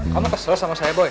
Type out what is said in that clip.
kamu kesel sama saya boy